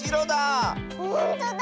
ほんとだ！